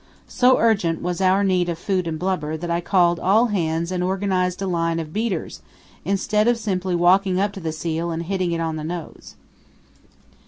So urgent was our need of food and blubber that I called all hands and organized a line of beaters instead of simply walking up to the seal and hitting it on the nose.